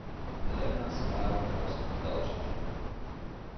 Helena smiled most indulgently.